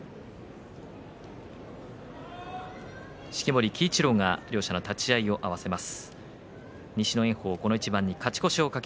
式守鬼一郎が両者の立ち合いを合わせます。